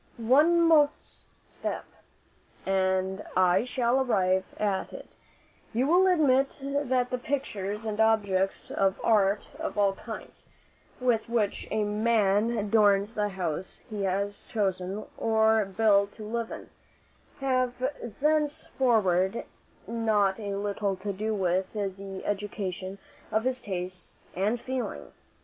"One step more, and I shall arrive at it. You will admit that the pictures and objects of art of all kinds, with which a man adorns the house he has chosen or built to live in, have thenceforward not a little to do with the education of his tastes and feelings.